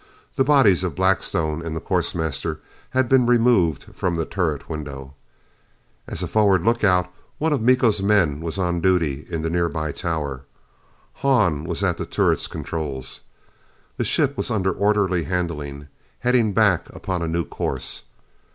The bodies of Blackstone and the course master had been removed from the turret window. As a forward lookout, one of Miko's men was on duty in the nearby tower. Hahn was at the turret's controls. The ship was under orderly handling, heading back upon a new course.